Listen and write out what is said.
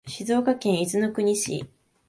静岡県伊豆の国市